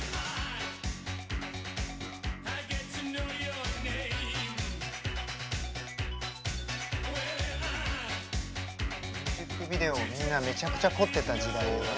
ミュージックビデオをみんなめちゃくちゃ凝ってた時代だね。